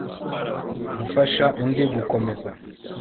gufasha undi gukomeza